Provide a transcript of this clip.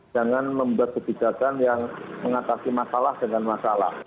jangan membuat kebijakan yang mengatasi masalah dengan masalah